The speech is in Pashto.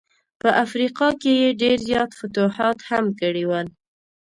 په افریقا کي یې ډېر زیات فتوحات هم کړي ول.